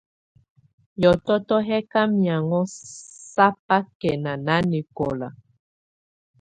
Hiɔ̀tɔtɔ yɛ̀ kà mianhɔ̀á sabakɛ̀na nanɛkɔla.